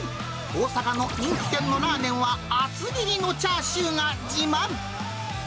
大阪の人気店のラーメンは、厚切りのチャーシューが自慢。